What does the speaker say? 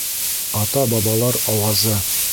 АТА-БАБАЛАР АУАЗЫ